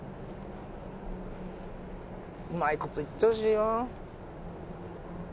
うまいこといってほしいよ